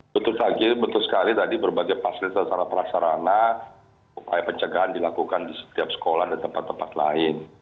betul sekali tadi berbagai fasilitas perasarana upaya pencegahan dilakukan di setiap sekolah dan tempat tempat lain